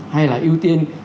hay là ưu tiên